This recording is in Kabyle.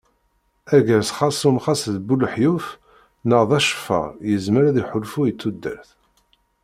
Argaz xerṣum xas d bu lehyuf neɣ d aceffar yezmer ad iḥulfu i tudert.